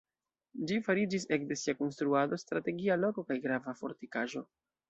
Ĝi fariĝis ekde sia konstruado strategia loko kaj grava fortikaĵo.